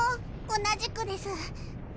同じくです。